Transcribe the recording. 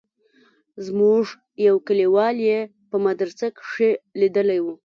زموږ يو کليوال يې په مدرسه کښې ليدلى و.